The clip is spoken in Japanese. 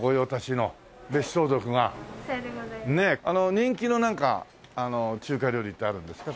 人気のなんか中華料理ってあるんですか？